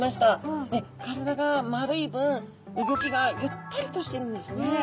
体が丸い分うギョきがゆったりとしてるんですね。